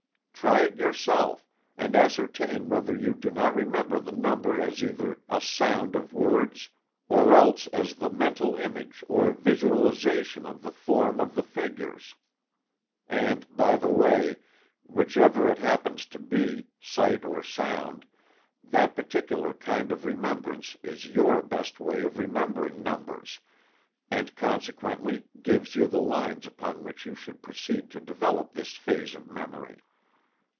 Try it yourself, and ascertain whether you do not remember the number as either a sound of words, or else as the mental image or visualization of the form of the figures. And, by the way, which ever it happens to be, sight or sound, that particular kind of remembrance is your best way of remembering numbers, and consequently gives you the lines upon which you should proceed to develop this phase of memory.